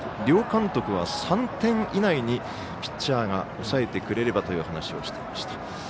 両監督は３点以内にピッチャーが抑えてくれればと話をしていました。